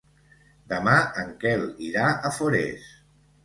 Demà en Quel irà a Forès.